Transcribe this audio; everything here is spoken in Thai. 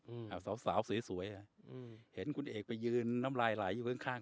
อ่าสาวสาวสวยสวยอ่ะอืมเห็นคุณเอกไปยืนน้ำลายไหลอยู่ข้างข้าง